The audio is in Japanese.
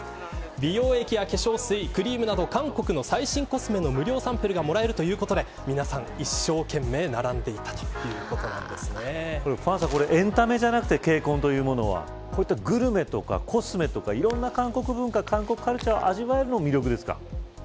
美容液や化粧水、クリームなど韓国の最新コスメの無料サンプルがもらえるということで皆さん、一生懸命並んでいた黄さん、エンタメじゃなくてＫＣＯＮというものはグルメとかコスメとかいろんな韓国カルチャーを味わえるのも魅力ですか。